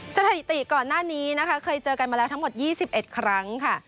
สถิติก่อนหน้านี้นะคะเคยเจอกันมาแล้วทั้งหมด๒๑ครั้งค่ะ